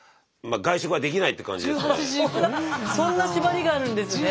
そんな縛りがあるんですね。